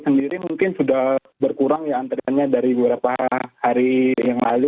sendiri mungkin sudah berkurang ya antriannya dari beberapa hari yang lalu